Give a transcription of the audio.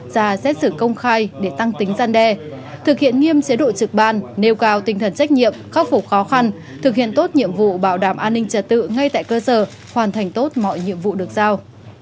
ra xét xử công khai để tăng tính gian đe thực hiện nghiêm chế độ trực ban nêu cao tinh thần trách nhiệm khắc phục khó khăn thực hiện tốt nhiệm vụ bảo đảm an ninh trật tự ngay tại cơ sở hoàn thành tốt mọi nhiệm vụ được giao